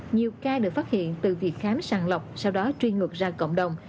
nhiều ca được phát hiện từ việc khám sàng lọc sau đó truy ngược ra cộng đồng